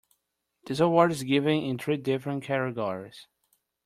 This award is given in three different categories.